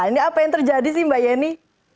ini apa yang terjadi sih mbak yeni